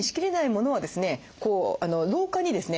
こう廊下にですね